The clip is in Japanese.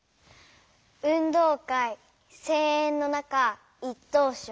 「運動会声援の中一等賞」。